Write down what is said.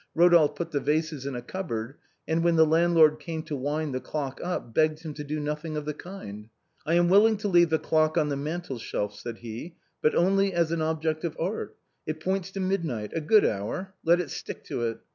Eodolphe put the vases in a cupboard, and when the landlord came to wind the clock up, begged him to do nothing of the kind. " I am willing to leave the clock on the mantel shelf," said he, " but only as an object of art. It points to mid night — a good hour; let it stick to it.